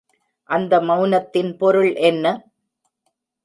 அந்த மெளனத்தின் பொருள் என்ன?